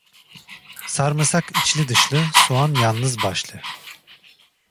Sarmısak içli dışlı, soğan yalnız başlı.